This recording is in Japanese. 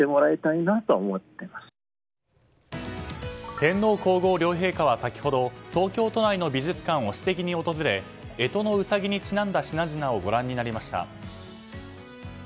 天皇・皇后両陛下は先ほど東京都内の美術館を私的に訪れ干支のうさぎにちなんだ品々をご覧になりました。